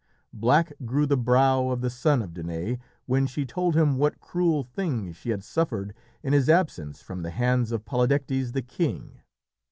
Black grew the brow of the son of Danaë when she told him what cruel things she had suffered in his absence from the hands of Polydectes the king.